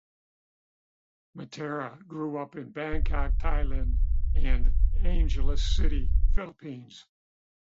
Matera grew up in Bangkok, Thailand, and Angeles City, Philippines.